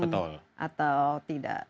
betul atau tidak